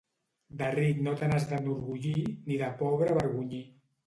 De ric no te n'has d'enorgullir, ni de pobre avergonyir.